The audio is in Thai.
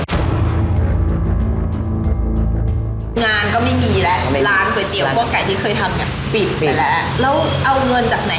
งานก็ไม่มีแล้วร้านก๋วยเตี๋คั่วไก่ที่เคยทำเนี่ยปิดไปแล้วแล้วเอาเงินจากไหน